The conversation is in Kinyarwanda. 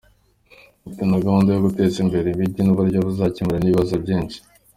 Dufite na gahunda yo guteza imbere imijyi, ni uburyo buzakemura ibibazo byinshi.